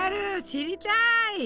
知りたい！